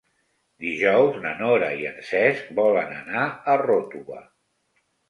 Dijous na Nora i en Cesc volen anar a Ròtova.